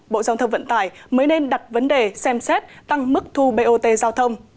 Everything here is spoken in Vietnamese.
bộ giao thông vận tải mới nên đặt vấn đề xem xét tăng mức thu bot giao thông